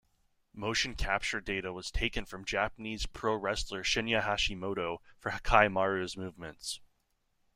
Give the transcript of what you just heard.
Motion capture data was taken from Japanese pro-wrestler Shinya Hashimoto for Hakaimaru's movements.